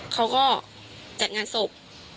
เขาก็จัดงานศพ